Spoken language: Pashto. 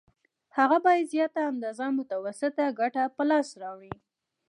هغه باید زیاته اندازه متوسطه ګټه په لاس راوړي